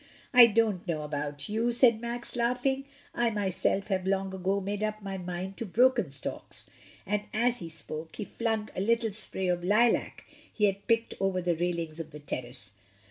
"I don't know about you," said Max laughing, "I myself have long ago made up my mind to broken stalks," and as he spoke he flung a little spray of lilac he had picked over the railings of the terrace.